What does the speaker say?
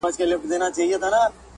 څارنوال سو په ژړا ویل بابا جانه,